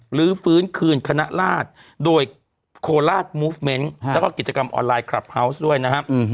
หรือฟื้นคืนคณะราชโดยโคราชมูฟเมนต์แล้วก็กิจกรรมออนไลน์คลับเฮาวส์ด้วยนะครับ